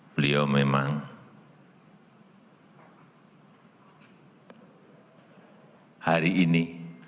beliau memang hari ini